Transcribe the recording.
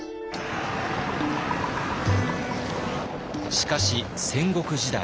しかし戦国時代。